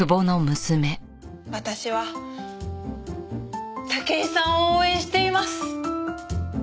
私は武井さんを応援しています。